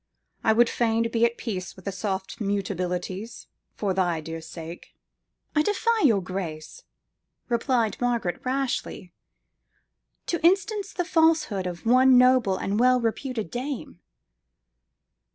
I would fain be at peace with the soft Mutabilities, for thy dear sake.""I defy your grace," replied Margaret, rashly, "to instance the falsehood of one noble and well reputed dame.""